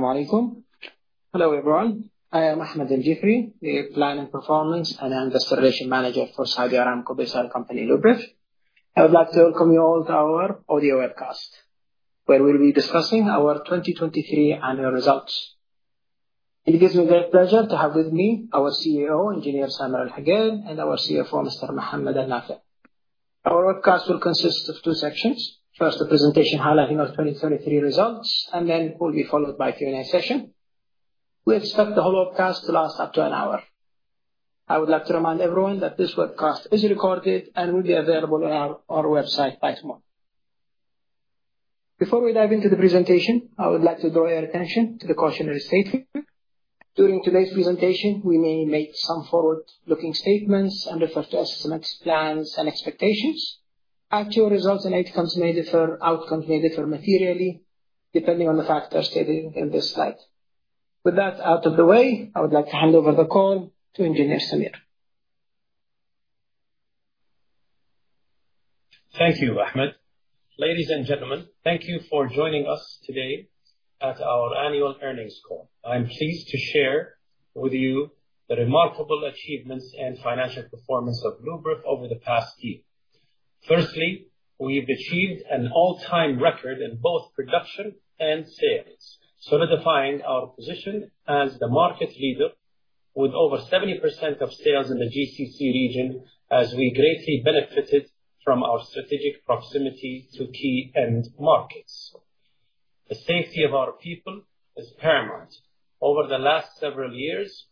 Ass`alamu alaikum. Hello everyone. I am Ahmed Aljiffry, the Planning, Performance and Investor Relations Manager for Saudi Aramco Base Oil Company, Luberef. I would like to welcome you all to our audio webcast, where we'll be discussing our 2023 annual results. It gives me great pleasure to have with me our CEO, Engineer Samer Al Hokail, and our CFO, Mr. Mohammed Alnafea. Our webcast will consist of two sections. First, a presentation highlighting our 2023 results, and then it will be followed by a Q&A session. We expect the whole webcast to last up to an hour. I would like to remind everyone that this webcast is recorded and will be available on our website by tomorrow. Before we dive into the presentation, I would like to draw your attention to the cautionary statement. During today's presentation, we may make some forward-looking statements and refer to estimates plans and expectations. Actual results and outcomes may differ. Outcomes may differ materially depending on the factors stated in this slide. With that out of the way, I would like to hand over the call to Engineer Samer. Thank you, Ahmed. Ladies and gentlemen, thank you for joining us today at our annual earnings call. I'm pleased to share with you the remarkable achievements and financial performance of Luberef over the past year. Firstly, we've achieved an all-time record in both production and sales, solidifying our position as the market leader with over 70% of sales in the GCC region as we greatly benefited from our strategic proximity to key end markets. The safety of our people is paramount. Over the last several years,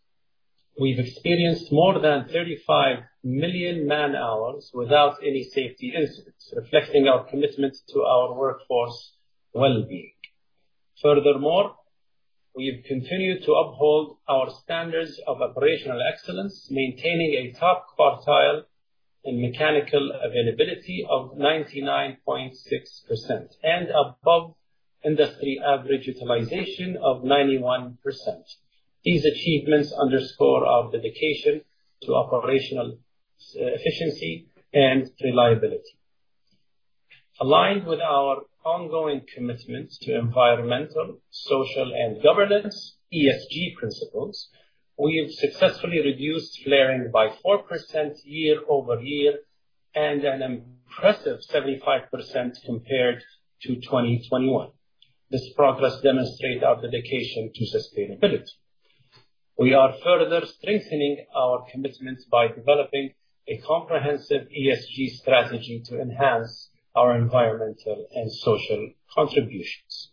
we've experienced more than 35 million man-hours without any safety incidents, reflecting our commitment to our workforce well-being. Furthermore, we've continued to uphold our standards of operational excellence, maintaining a top quartile in mechanical availability of 99.6% and above industry average utilization of 91%. These achievements underscore our dedication to operational efficiency and reliability. Aligned with our ongoing commitments to environmental, social, and governance ESG principles, we've successfully reduced flaring by 4% year-over-year and an impressive 75% compared to 2021. This progress demonstrates our dedication to sustainability. We are further strengthening our commitments by developing a comprehensive ESG strategy to enhance our environmental and social contributions.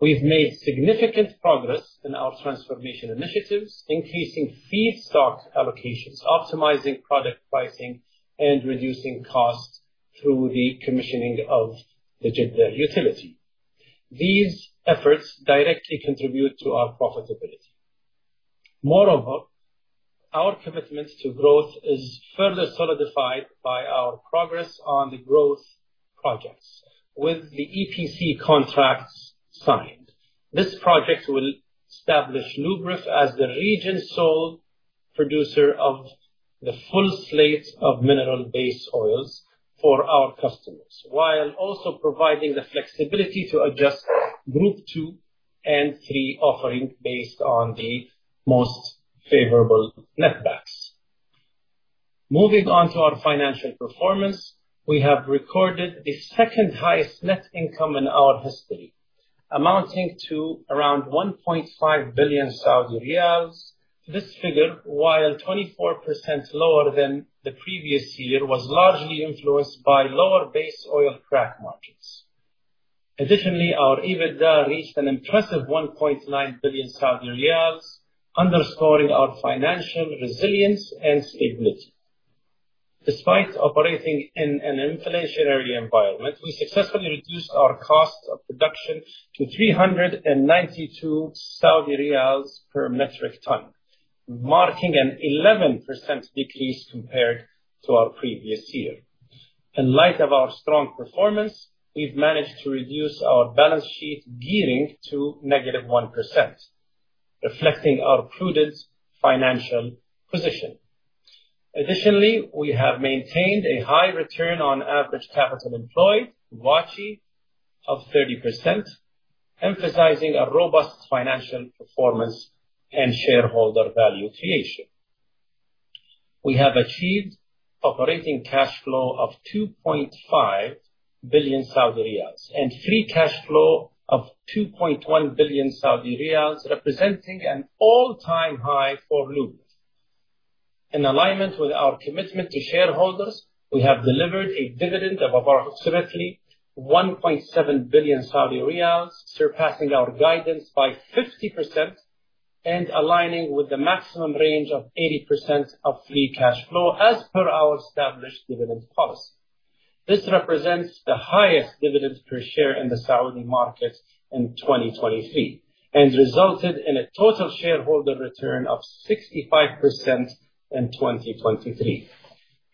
We've made significant progress in our transformation initiatives, increasing feedstock allocations, optimizing product pricing, and reducing costs through the commissioning of the Jeddah utility. These efforts directly contribute to our profitability. Moreover, our commitment to growth is further solidified by our progress on the growth projects. With the EPC contracts signed, this project will establish Luberef as the region's sole producer of the full slate of mineral-based oils for our customers, while also providing the flexibility to adjust Group II and III offerings based on the most favorable netbacks. Moving on to our financial performance, we have recorded the second highest net income in our history, amounting to around 1.5 billion Saudi riyals. This figure, while 24% lower than the previous year, was largely influenced by lower base oil crack margins. Additionally, our EBITDA reached an impressive 1.9 billion Saudi riyals, underscoring our financial resilience and stability. Despite operating in an inflationary environment, we successfully reduced our cost of production to 392 Saudi riyals per metric ton, marking an 11% decrease compared to our previous year. In light of our strong performance, we've managed to reduce our balance sheet gearing to -1%, reflecting our prudent financial position. Additionally, we have maintained a high return on average capital employed, ROACE, of 30%, emphasizing a robust financial performance and shareholder value creation. We have achieved operating cash flow of 2.5 billion Saudi riyals and free cash flow of 2.1 billion Saudi riyals, representing an all-time high for Luberef. In alignment with our commitment to shareholders, we have delivered a dividend of approximately 1.7 billion Saudi riyals, surpassing our guidance by 50% and aligning with the maximum range of 80% of free cash flow as per our established dividend policy. This represents the highest dividend per share in the Saudi market in 2023 and resulted in a total shareholder return of 65% in 2023.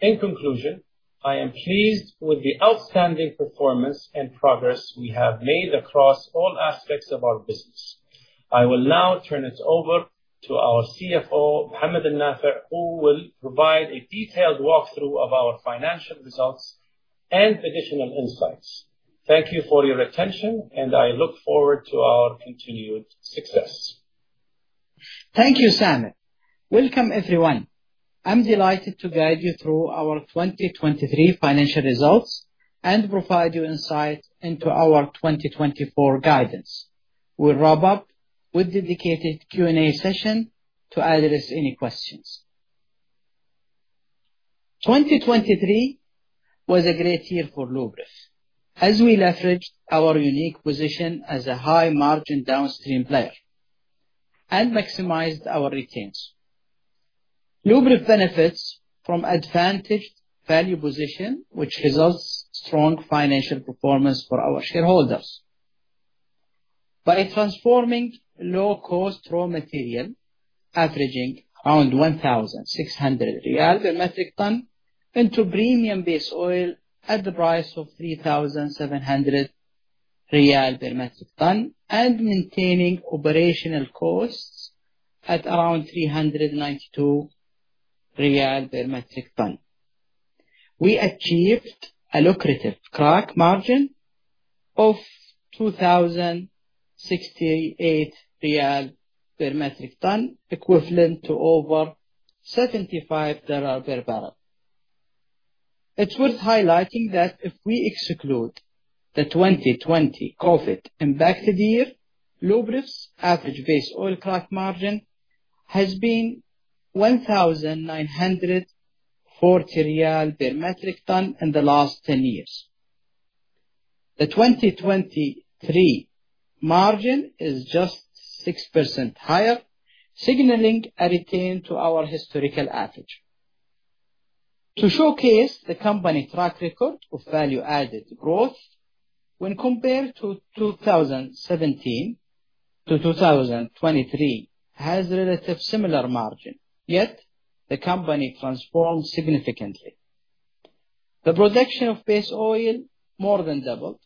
In conclusion, I am pleased with the outstanding performance and progress we have made across all aspects of our business. I will now turn it over to our CFO, Mohammed Alnafea, who will provide a detailed walkthrough of our financial results and additional insights. Thank you for your attention, and I look forward to our continued success. Thank you, Samer. Welcome, everyone. I'm delighted to guide you through our 2023 financial results and provide you insight into our 2024 guidance. We'll wrap up with a dedicated Q&A session to address any questions. 2023 was a great year for Luberef as we leveraged our unique position as a high-margin downstream player and maximized our returns. Luberef benefits from an advantaged value position, which results in strong financial performance for our shareholders by transforming low-cost raw material, averaging around 1,600 riyal per metric ton, into premium-based oil at the price of 3,700 riyal per metric ton and maintaining operational costs at around 392 riyal per metric ton. We achieved a lucrative crack margin of SAR 2,068 per metric ton, equivalent to over $75 per barrel. It's worth highlighting that if we exclude the 2020 COVID-impacted year, Luberef's average base oil crack margin has been 1,940 riyal per metric ton in the last 10 years. The 2023 margin is just 6% higher, signaling a return to our historical average. To showcase the company's track record of value-added growth, when compared to 2017 to 2023, it has a relatively similar margin, yet the company transformed significantly. The production of base oil more than doubled.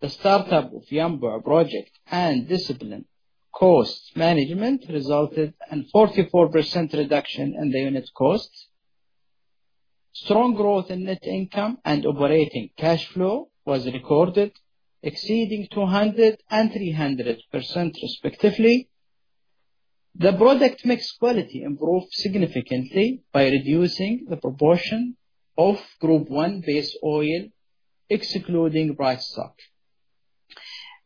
The startup of Yanbu Project and disciplined cost management resulted in a 44% reduction in the unit costs. Strong growth in net income and operating cash flow was recorded, exceeding 200% and 300%, respectively. The product mix quality improved significantly by reducing the proportion of Group I base oil, excluding bright stock.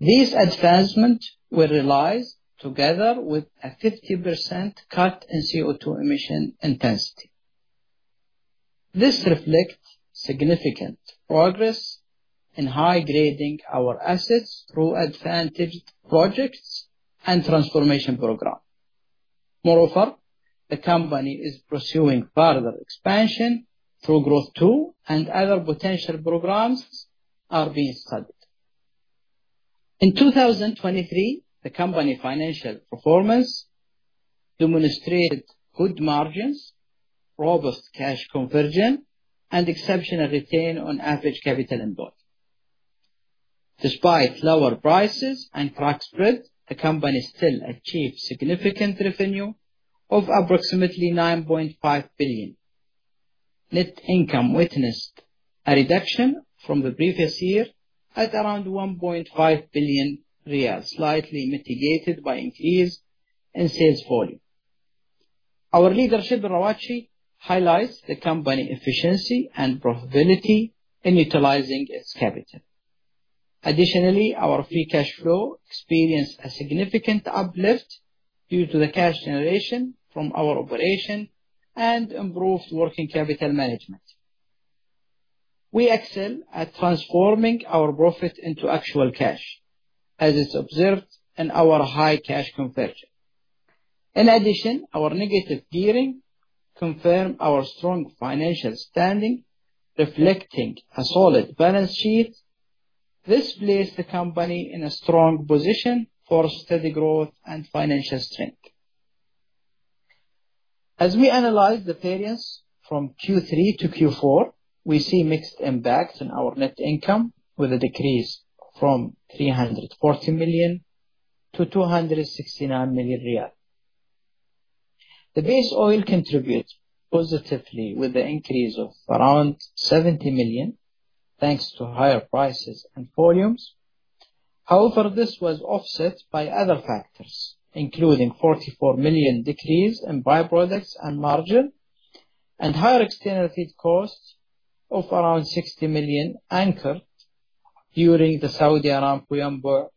These advancements were realized together with a 50% cut in CO2 emission intensity. This reflects significant progress in high-grading our assets through advantaged projects and transformation programs. Moreover, the company is pursuing further expansion through Group II, and other potential programs are being studied. In 2023, the company's financial performance demonstrated good margins, robust cash conversion, and exceptional return on average capital employed. Despite lower prices and crack spread, the company still achieved significant revenue of approximately 9.5 billion. Net income witnessed a reduction from the previous year at around 1.5 billion riyal, slightly mitigated by an increase in sales volume. Our leadership in ROACE highlights the company's efficiency and profitability in utilizing its capital. Additionally, our free cash flow experienced a significant uplift due to the cash generation from our operation and improved working capital management. We excel at transforming our profit into actual cash, as is observed in our high cash conversion. In addition, our negative gearing confirmed our strong financial standing, reflecting a solid balance sheet. This placed the company in a strong position for steady growth and financial strength. As we analyze the periods from Q3 to Q4, we see mixed impacts on our net income, with a decrease from 340 million to 269 million riyal. The base oil contributed positively with an increase of around 70 million, thanks to higher prices and volumes. However, this was offset by other factors, including a 44 million decrease in by-products and margin and higher external feed costs of around 60 million incurred during the Saudi Aramco Yanbu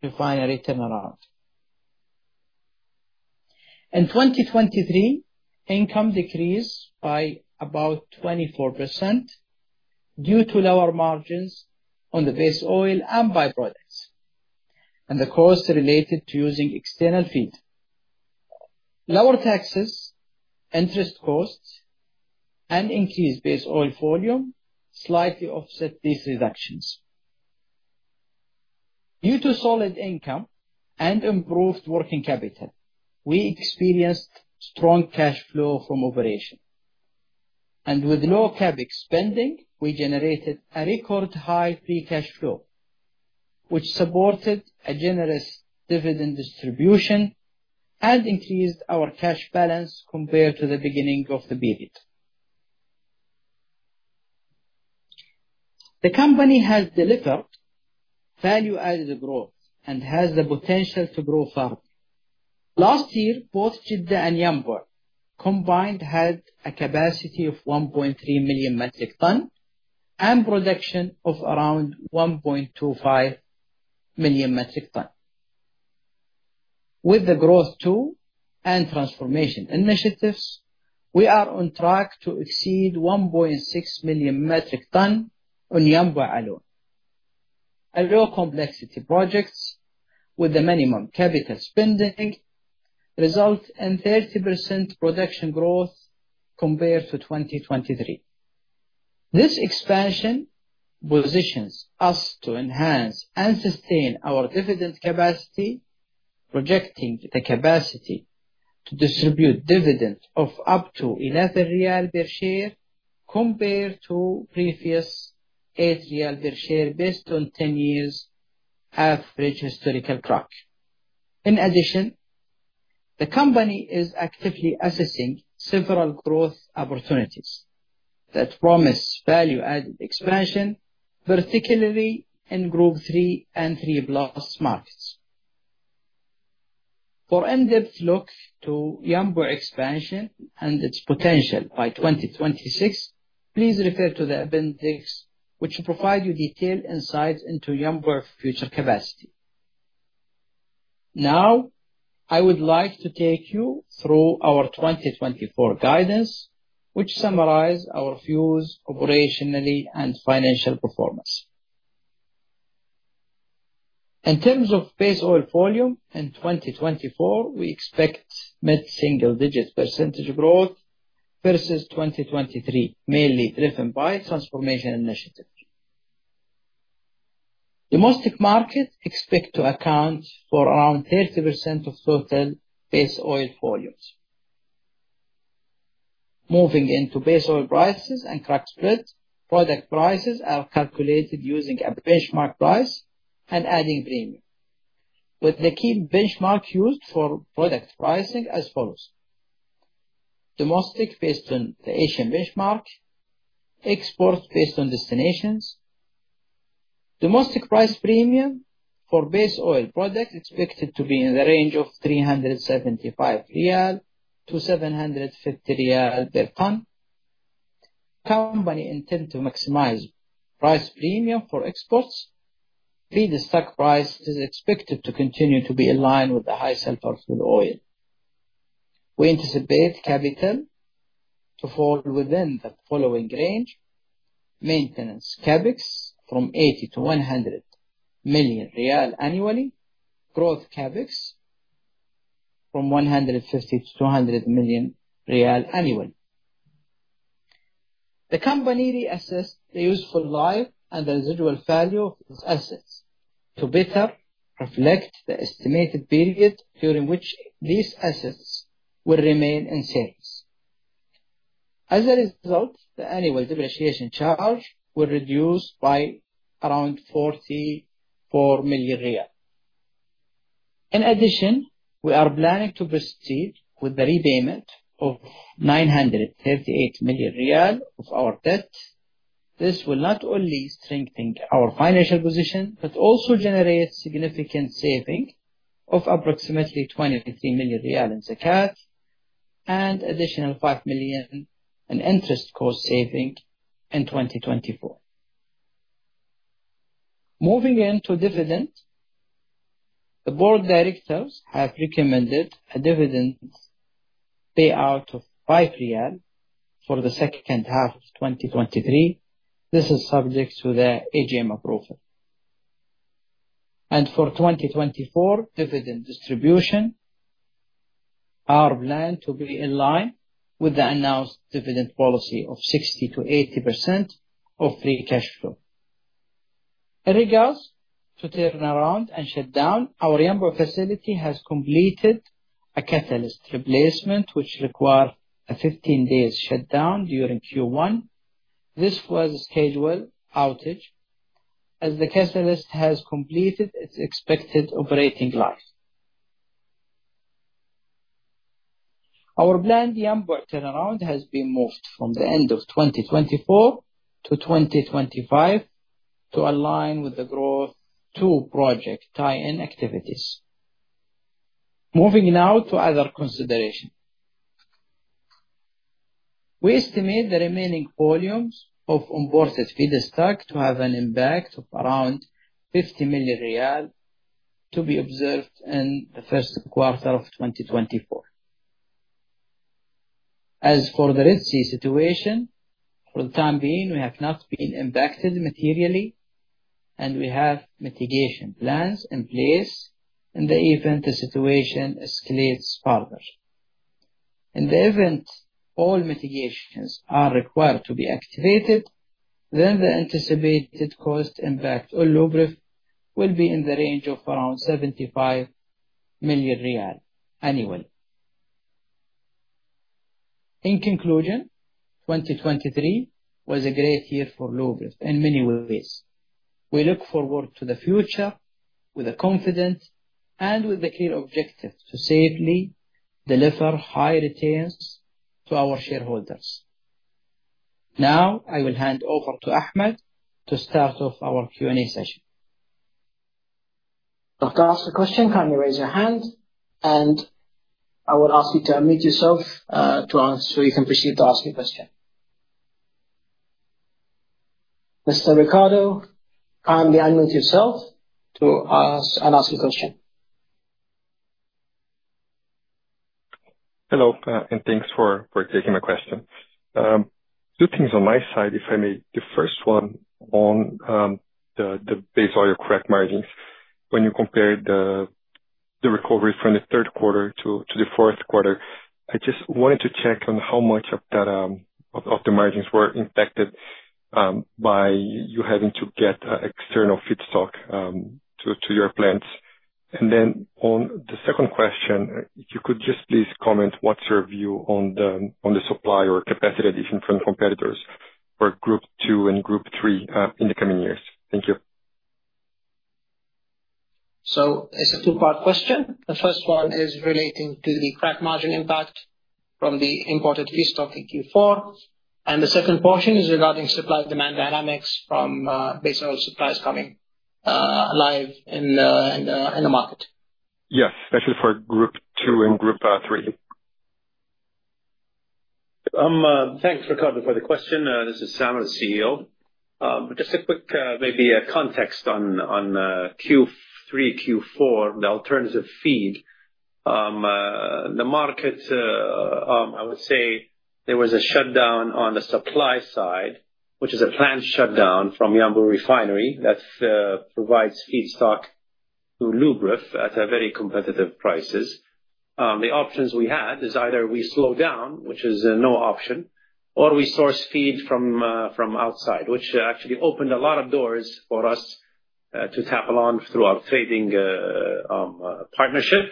refinery turnaround. In 2023, income decreased by about 24% due to lower margins on the base oil and by-products and the costs related to using external feed. Lower taxes, interest costs, and increased base oil volume slightly offset these reductions. Due to solid income and improved working capital, we experienced strong cash flow from operation. With low CAPEX spending, we generated a record high free cash flow, which supported a generous dividend distribution and increased our cash balance compared to the beginning of the period. The company has delivered value-added growth and has the potential to grow further. Last year, both Jeddah and Yanbu combined had a capacity of 1.3 million metric tons and a production of around 1.25 million metric tons. With the Growth II and transformation initiatives, we are on track to exceed 1.6 million metric tons on Yanbu alone. Low-complexity projects with a minimum capital spending result in 30% production growth compared to 2023. This expansion positions us to enhance and sustain our dividend capacity, projecting the capacity to distribute dividends of up to SAR 11 per share compared to previous SAR 8 per share based on 10 years' average historical crack. In addition, the company is actively assessing several growth opportunities that promise value-added expansion, particularly in Group III and 3+ markets. For an in-depth look into Yanbu expansion and its potential by 2026, please refer to the appendix, which provides you detailed insights into Yanbu's future capacity. Now, I would like to take you through our 2024 guidance, which summarizes our views operationally and financial performance. In terms of base oil volume in 2024, we expect mid-single-digit percentage growth versus 2023, mainly driven by transformation initiatives. The domestic markets expect to account for around 30% of total base oil volumes. Moving into base oil prices and crack spread, product prices are calculated using a benchmark price and adding premium, with the key benchmark used for product pricing as follows: domestic based on the Asian benchmark, export based on destinations. Domestic price premium for base oil products is expected to be in the range of SAR 375-SAR 750 per ton. Company intends to maximize price premium for exports. Feedstock price is expected to continue to be in line with the high-sulfur price for the oil. We anticipate capital to fall within the following range: maintenance CAPEX from SAR 80 million-SAR 100 million annually, growth CAPEX from SAR 150 million-SAR 200 million annually. The company reassessed the useful life and the residual value of its assets to better reflect the estimated period during which these assets will remain in service. As a result, the annual depreciation charge will reduce by around 44 million riyal. In addition, we are planning to proceed with the repayment of 938 million riyal of our debt. This will not only strengthen our financial position but also generate significant savings of approximately SAR 23 million in zakat and additional 5 million in interest cost savings in 2024. Moving into dividends, the Board of Directors have recommended a dividend payout of SAR 5 for the second half of 2023. This is subject to the AGM approval. For 2024 dividend distribution, our plan to be in line with the announced dividend policy of 60%-80% of free cash flow. In regards to turnaround and shutdown, our Yanbu facility has completed a catalyst replacement, which required a 15-day shutdown during Q1. This was a scheduled outage as the catalyst has completed its expected operating life. Our planned Yanbu turnaround has been moved from the end of 2024 to 2025 to align with the Growth II project tie-in activities. Moving now to other considerations. We estimate the remaining volumes of imported feedstock to have an impact of around SAR 50 million to be observed in the first quarter of 2024. As for the Red Sea situation, for the time being, we have not been impacted materially, and we have mitigation plans in place in the event the situation escalates further. In the event all mitigations are required to be activated, then the anticipated cost impact on Luberef will be in the range of around 75 million riyal annually. In conclusion, 2023 was a great year for Luberef in many ways. We look forward to the future with confidence and with the clear objective to safely deliver high returns to our shareholders. Now, I will hand over to Ahmed to start off our Q&A session. If you want to ask a question, kindly raise your hand. I will ask you to unmute yourself so you can proceed to ask your question. Mr. Ricardo, kindly unmute yourself and ask your question. Hello, and thanks for taking my question. Two things on my side, if I may. The first one on the base oil crack margins. When you compared the recovery from the third quarter to the fourth quarter, I just wanted to check on how much of the margins were impacted by you having to get external feedstock to your plants. And then on the second question, if you could just please comment what's your view on the supply or capacity addition from competitors for Group II and Group III in the coming years? Thank you. So it's a two-part question. The first one is relating to the crack margin impact from the imported feedstock in Q4. And the second portion is regarding supply-demand dynamics from base oil supplies coming live in the market. Yes, especially for Group II and Group III. Thanks, Ricardo, for the question. This is Samer, the CEO. Just a quick, maybe, context on Q3, Q4, the alternative feed. The market, I would say there was a shutdown on the supply side, which is a planned shutdown from Yanbu refinery that provides feedstock to Luberef at very competitive prices. The options we had is either we slow down, which is no option, or we source feed from outside, which actually opened a lot of doors for us to tap along through our trading partnership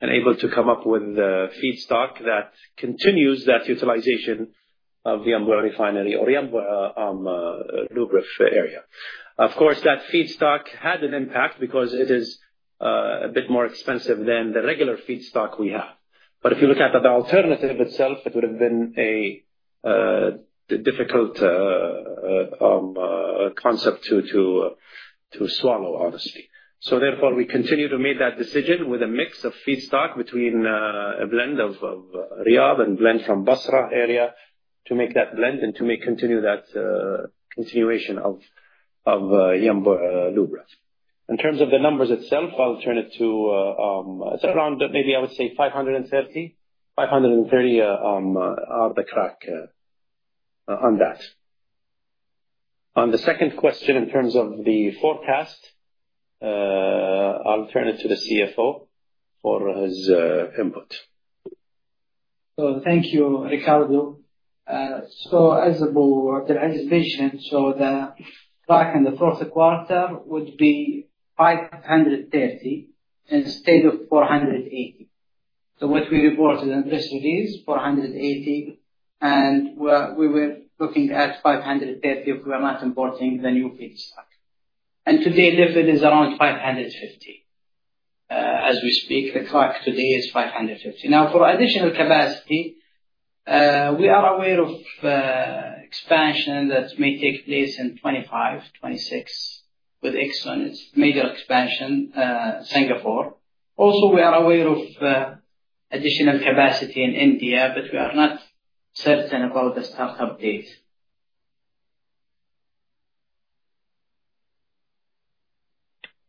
and able to come up with feedstock that continues that utilization of the Yanbu refinery or Yanbu Luberef area. Of course, that feedstock had an impact because it is a bit more expensive than the regular feedstock we have. But if you look at the alternative itself, it would have been a difficult concept to swallow, honestly. So, therefore, we continue to make that decision with a mix of feedstock between a blend of Riyadh and a blend from Basra area to make that blend and to continue that continuation of Yanbu Luberef. In terms of the numbers itself, I'll turn it to it's around, maybe, I would say 530. 530 are the crack on that. On the second question, in terms of the forecast, I'll turn it to the CFO for his input. Thank you, Ricardo. the crack in the fourth quarter would be 530 instead of 480. What we reported in this release is 480, and we were looking at 530 if we are not importing the new feedstock. Today, the feed is around 550 as we speak. The crack today is 550. Now, for additional capacity, we are aware of expansion that may take place in 2025, 2026 with Exxon. It's a major expansion, Singapore. Also, we are aware of additional capacity in India, but we are not certain about the startup date.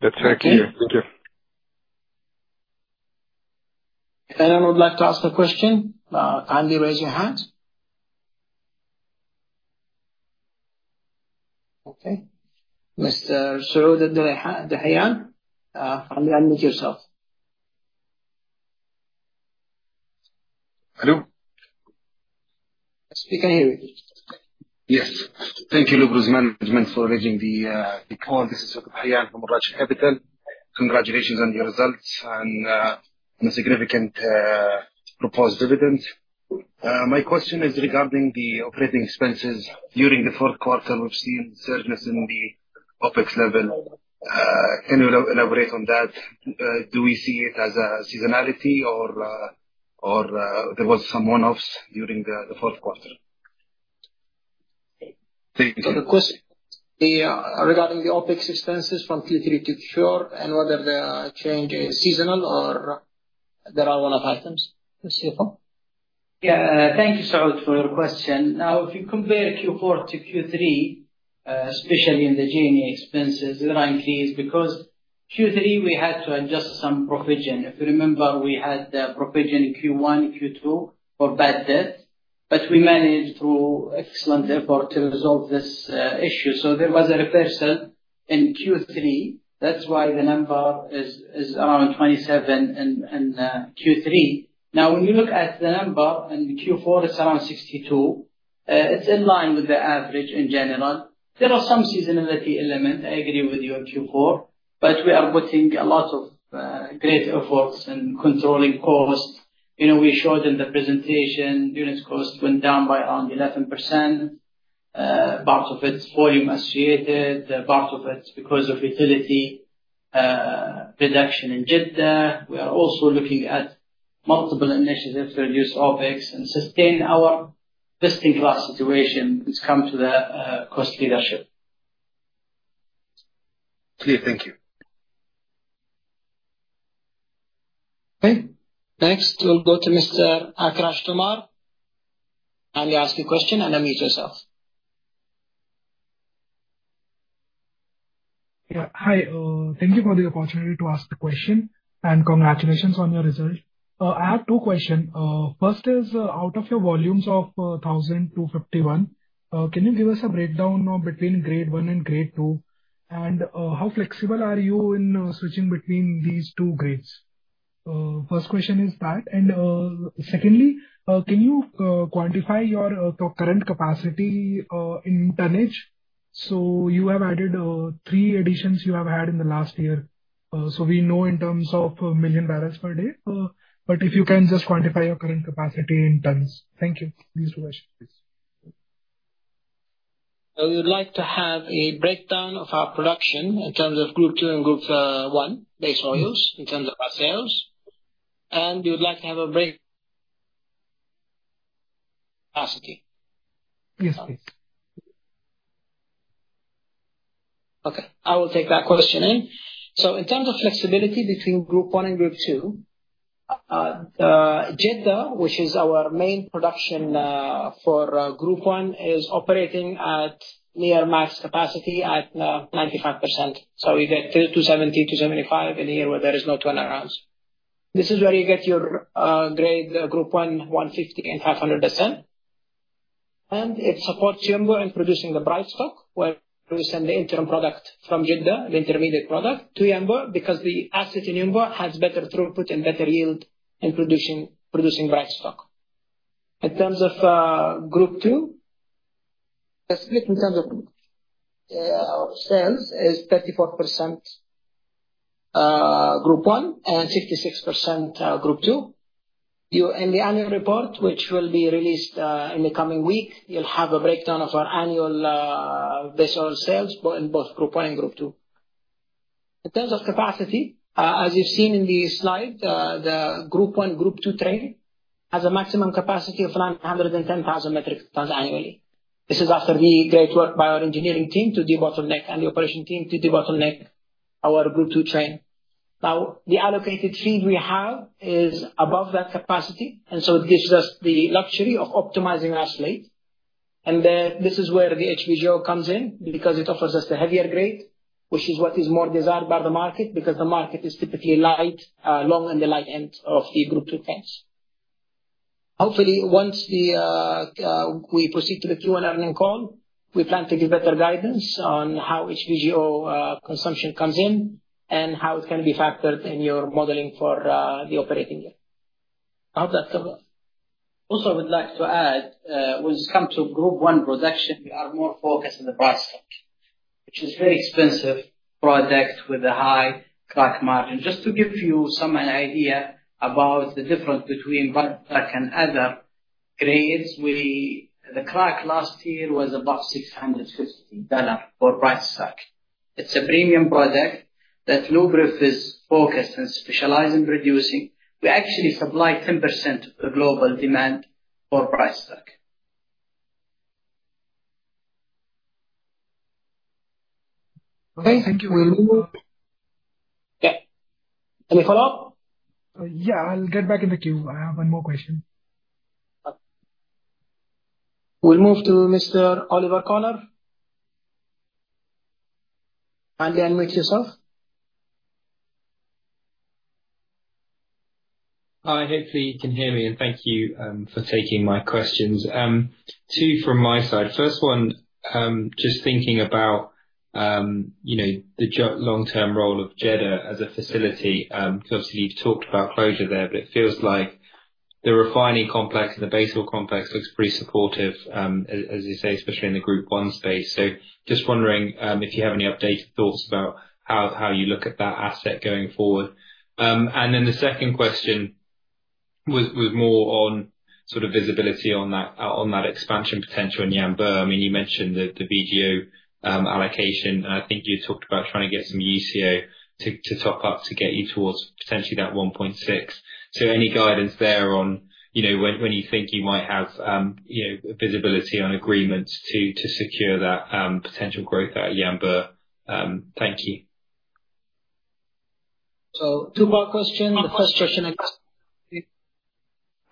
That's very clear. Thank you. If anyone would like to ask a question, kindly raise your hand. Okay. Mr. Saud AlDhoheyan, kindly unmute yourself. Hello. Yes, we can hear you. Yes. Thank you, Luberef's management, for arranging the call. This is AlDhoheyan from Al Rajhi Capital. Congratulations on your results and on the significant proposed dividends. My question is regarding the operating expenses. During the fourth quarter, we've seen a surge in the OpEx level. Can you elaborate on that? Do we see it as a seasonality, or there was some one-offs during the fourth quarter? Thank you. The question regarding the OpEx expenses from Q3 to Q4 and whether the change is seasonal or there are one-off items. The CFO. Yeah. Thank you, Saud, for your question. Now, if you compare Q4 to Q3, especially in the G&A expenses, there are increases because Q3, we had to adjust some provision. If you remember, we had provision in Q1, Q2 for bad debt, but we managed through excellent effort to resolve this issue. So there was a reversal in Q3. That's why the number is around 27 in Q3. Now, when you look at the number in Q4, it's around 62. It's in line with the average in general. There are some seasonality elements. I agree with you on Q4, but we are putting a lot of great efforts in controlling costs. We showed in the presentation, unit cost went down by around 11%, part of it volume associated, part of it because of utility reduction in Jeddah. We are also looking at multiple initiatives to reduce OpEx and sustain our best-in-class situation. It's come to the cost leadership. Clear. Thank you. Okay. Next, we'll go to Mr. Aakarsh Tomar. Kindly ask your question, and unmute yourself. Yeah. Hi. Thank you for the opportunity to ask the question, and congratulations on your result. I have two questions. First is, out of your volumes of 1,251, can you give us a breakdown between grade one and grade two, and how flexible are you in switching between these two grades? First question is that. And secondly, can you quantify your current capacity in tonnage? So you have added three additions you have had in the last year, so we know in terms of million barrels per day. But if you can just quantify your current capacity in tons. Thank you. These two questions. So you'd like to have a breakdown of our production in terms of Group II and Group I base oils in terms of our sales, and you'd like to have a break capacity? Yes, please. Okay. I will take that question in. So in terms of flexibility between Group I and Group II, Jeddah, which is our main production for Group I, is operating at near max capacity at 95%. So we get 270, 275 in a year where there is no turnarounds. This is where you get your grade Group I, 150N, and 500N. And it supports Yanbu in producing the bright stock where we send the interim product from Jeddah, the intermediate product, to Yanbu because the asset in Yanbu has better throughput and better yield in producing bright stock. In terms of Group II, the split in terms of our sales is 34% Group I and 66% Group II. In the annual report, which will be released in the coming week, you'll have a breakdown of our annual base oil sales in both Group I and Group II. In terms of capacity, as you've seen in the slide, the Group I, Group II train has a maximum capacity of 910,000 metric tons annually. This is after the great work by our engineering team to de-bottleneck and the operation team to de-bottleneck our Group II train. Now, the allocated feed we have is above that capacity, and so it gives us the luxury of optimizing our slate. And this is where the HVGO comes in because it offers us the heavier grade, which is what is more desired by the market because the market is typically light, long in the light end of the Group II plants. Hopefully, once we proceed to the Q&A and call, we plan to give better guidance on how HVGO consumption comes in and how it can be factored in your modeling for the operating year. I hope that covers it. Also, I would like to add, when it comes to Group I production, we are more focused on the Bright Stock, which is a very expensive product with a high crack margin. Just to give you some idea about the difference between Bright Stock and other grades, the crack last year was above SAR 650 for Bright Stock. It's a premium product that Luberef is focused on specializing in producing. We actually supply 10% of the global demand for Bright Stock. Okay. Thank you. We'll move, yeah. Any follow-up? Yeah. I'll get back in the queue. I have one more question. We'll move to Mr. Oliver Connor. Kindly unmute yourself. Hi. Hopefully, you can hear me. Thank you for taking my questions. Two from my side. First one, just thinking about the long-term role of Jeddah as a facility. Because obviously, you've talked about closure there, but it feels like the refining complex and the base oil complex looks pretty supportive, as you say, especially in the Group I space. So just wondering if you have any updated thoughts about how you look at that asset going forward. And then the second question was more on sort of visibility on that expansion potential in Yanbu. I mean, you mentioned the VGO allocation, and I think you talked about trying to get some UCO to top up to get you towards potentially that 1.6. So any guidance there on when you think you might have visibility on agreements to secure that potential growth at Yanbu? Thank you. So two-part question. The first question, I guess, is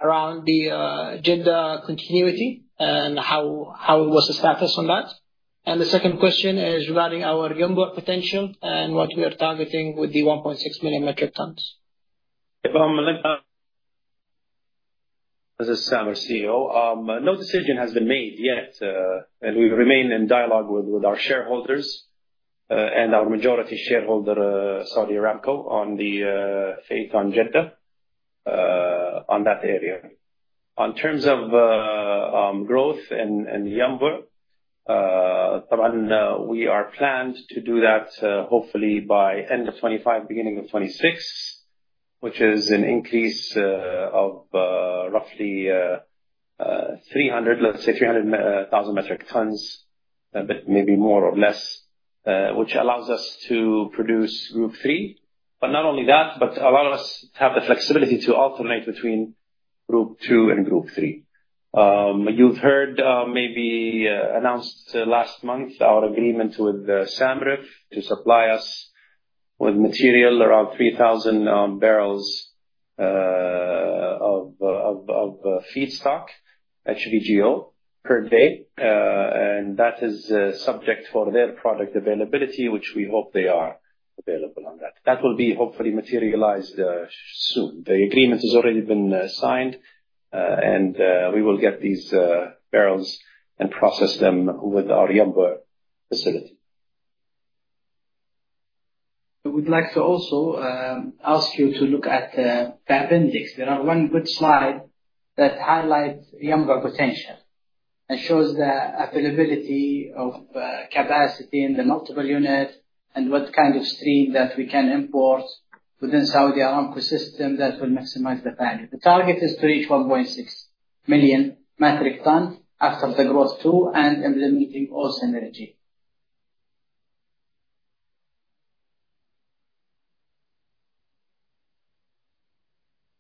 around the Jeddah continuity and how was the status on that. And the second question is regarding our Yanbu potential and what we are targeting with the 1.6 million metric tons. This is Samer, the CEO. No decision has been made yet, and we remain in dialogue with our shareholders and our majority shareholder, Saudi Aramco, on the future of Jeddah in that area. In terms of growth in Yanbu, we are planned to do that, hopefully, by end of 2025, beginning of 2026, which is an increase of roughly 300, let's say, 300,000 metric tons, but maybe more or less, which allows us to produce Group III. But not only that, but allow us to have the flexibility to alternate between Group II and Group III. You've heard, maybe, announced last month our agreement with SAMREF to supply us with material around 3,000 barrels of feedstock, HVGO, per day. And that is subject for their product availability, which we hope they are available on that. That will be, hopefully, materialized soon. The agreement has already been signed, and we will get these barrels and process them with our Yanbu facility. I would like to also ask you to look at the appendix. There are one good slide that highlights Yanbu potential and shows the availability of capacity in the multiple units and what kind of stream that we can import within Saudi Aramco system that will maximize the value. The target is to reach 1.6 million metric tons after the growth too and implementing all energy.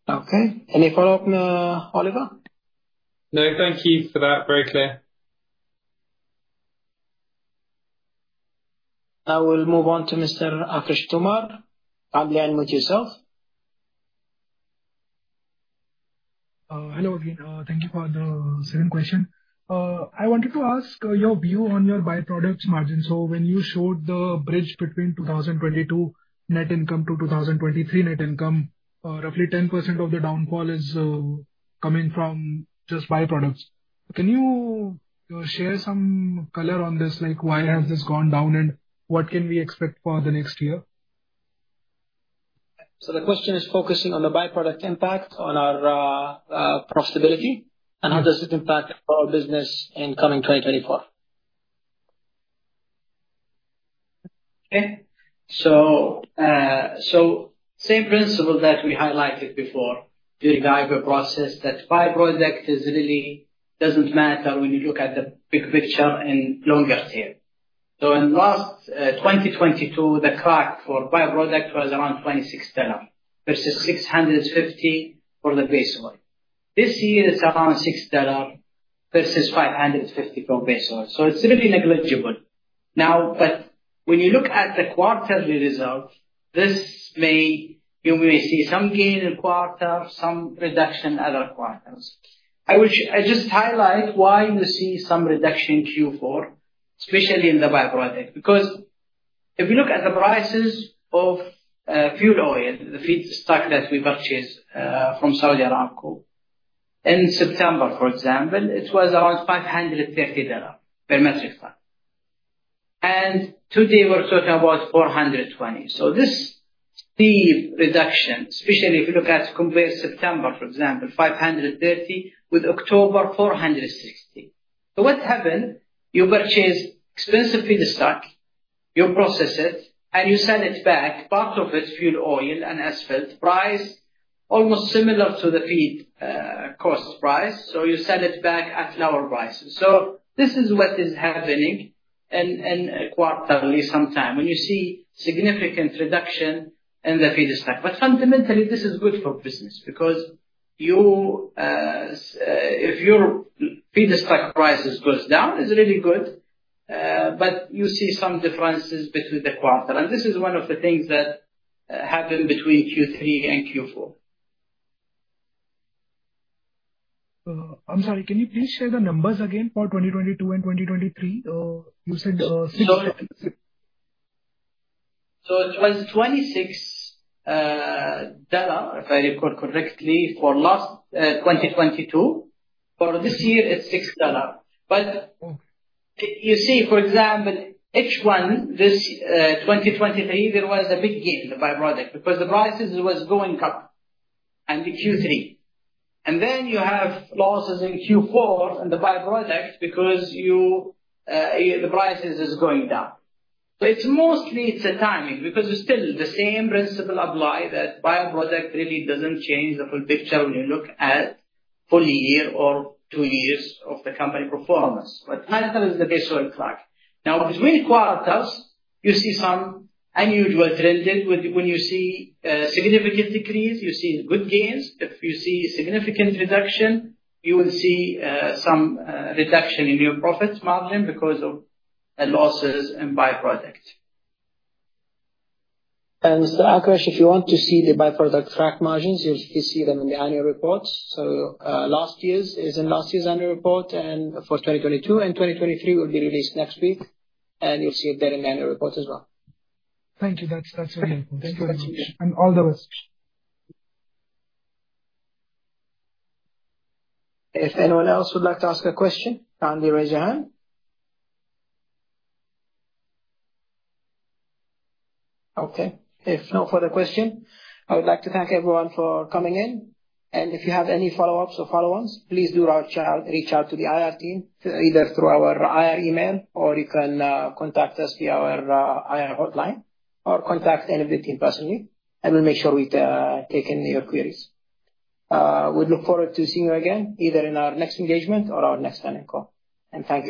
Okay. Any follow-up, Oliver? No. Thank you for that. Very clear. Now, we'll move on to Mr. Aakarsh Tomar. Kindly unmute yourself. Hello again. Thank you for the second question. I wanted to ask your view on your byproducts margin. So when you showed the bridge between 2022 net income to 2023 net income, roughly 10% of the downfall is coming from just byproducts. Can you share some color on this, like why has this gone down, and what can we expect for the next year? The question is focusing on the by-product impact on our profitability and how does it impact our business in coming 2024? Okay. So same principle that we highlighted before during the IPO process that by-product really doesn't matter when you look at the big picture in longer term. So in last 2022, the crack for by-product was around SAR 26 versus 650 for the base oil. This year, it's around SAR 6 versus 550 for base oil. So it's really negligible. Now, but when you look at the quarterly result, you may see some gain in quarter, some reduction in other quarters. I just highlight why you see some reduction in Q4, especially in the by-product. Because if you look at the prices of fuel oil, the feedstock that we purchase from Saudi Aramco, in September, for example, it was around SAR 530 per metric ton. And today, we're talking about 420. So this steep reduction, especially if you look at compare September, for example, 530 with October, 460. So what happened? You purchase expensive feedstock, you process it, and you sell it back. Part of it, fuel oil and asphalt, price almost similar to the feed cost price. You sell it back at lower prices. This is what is happening quarterly sometime when you see significant reduction in the feedstock. Fundamentally, this is good for business because if your feedstock price goes down, it's really good, but you see some differences between the quarter. This is one of the things that happened between Q3 and Q4. I'm sorry. Can you please share the numbers again for 2022 and 2023? You said SAR 6. So it was 26, if I record correctly, for last 2022. For this year, it's SAR 6. But you see, for example, H1 this 2023, there was a big gain, the byproduct, because the prices were going up in Q3. And then you have losses in Q4 in the byproduct because the prices are going down. So mostly, it's a timing because still, the same principle applies that byproduct really doesn't change the full picture when you look at full year or two years of the company performance. But higher is the base oil crack. Now, between quarters, you see some unusual trends. When you see significant decrease, you see good gains. If you see significant reduction, you will see some reduction in your profit margin because of losses in byproduct. Mr. Aakarsh, if you want to see the byproduct crack margins, you'll see them in the annual reports. So last year's is in last year's annual report for 2022, and 2023 will be released next week. And you'll see it there in the annual report as well. Thank you. That's really helpful. Thank you very much. And all the best. If anyone else would like to ask a question, kindly raise your hand. Okay. If no further question, I would like to thank everyone for coming in. If you have any follow-ups or follow-ons, please do reach out to the IR team either through our IR email, or you can contact us via our IR hotline or contact any of the team personally. We'll make sure we take in your queries. We'd look forward to seeing you again either in our next engagement or our next planning call. Thank you.